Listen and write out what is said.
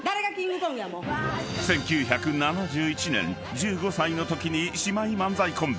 ［１９７１年１５歳のときに姉妹漫才コンビ